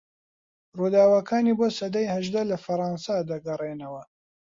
رووداوەکانی بۆ سەدەی هەژدە لە فەڕەنسا دەگەرێنەوە